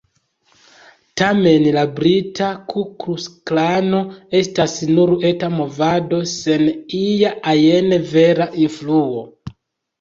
Tamen, la brita Ku-Kluks-Klano estas nur eta movado, sen ia ajn vera influo.